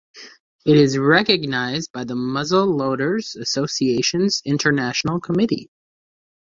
It is recognized by the Muzzle Loaders Associations International Committee.